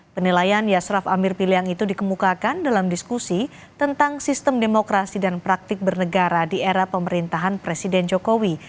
penilaian yasraf amir piliang itu dikemukakan dalam diskusi tentang sistem demokrasi dan praktik bernegara di era pemerintahan presiden jokowi